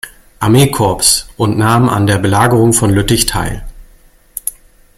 Armee-Korps und nahm an der Belagerung von Lüttich teil.